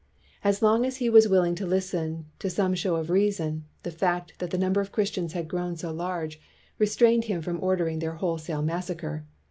As long as he was willing to listen to some show of reason, the fact that the number of Christians had grown so large restrained him from ordering their wholesale massacre.